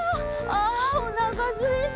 あおなかすいた。